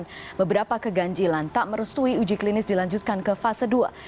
dan beberapa keganjilan tak merestui uji klinis dilanjutkan ke fase dua